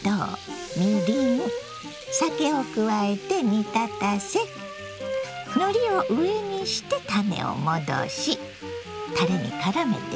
を加えて煮立たせのりを上にしてたねをもどしたれにからめていきますよ。